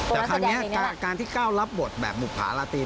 แต่คราวนี้การที่ก้าวรับบทแบบบุภาราตีน